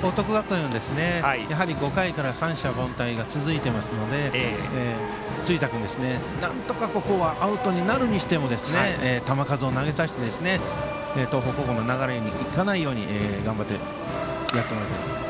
報徳学園は５回から三者凡退が続いていますので辻田君、ここはアウトになるにしても球数を投げさせて東邦高校の流れに行かないように頑張ってやってもらいたいですね。